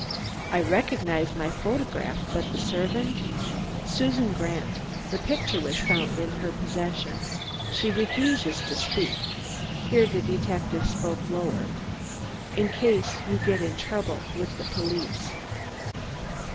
"I recognize my photograph, but the servant " "Susan Grant. The picture was found in her possession. She refuses to speak," here the detective spoke lower, "in case you get into trouble with the police."